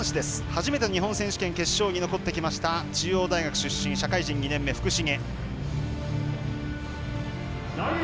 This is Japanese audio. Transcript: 初めて日本選手権決勝に残ってきました中央大学出身社会人２年目、福重。